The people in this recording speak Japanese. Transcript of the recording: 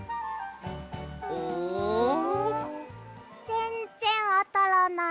ぜんぜんあたらない。